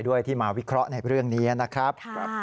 ด้วยที่มาวิเคราะห์ในเรื่องนี้นะครับ